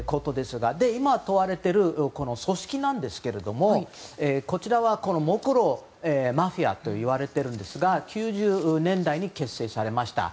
今、問われている組織なんですけどこちらはモクロ・マフィアといわれているんですが９０年代に結成されました。